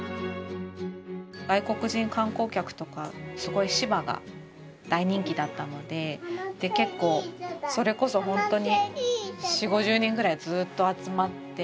外国人観光客とかすごい柴が大人気だったので結構それこそ本当に４０５０人ぐらいずっと集まって。